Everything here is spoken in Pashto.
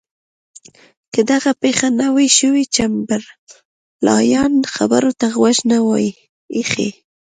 که دغه پېښه نه وای شوې چمبرلاین خبرو ته غوږ نه وای ایښی.